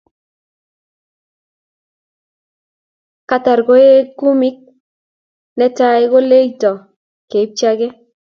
katar koe kumik ne tai koleito keipchi age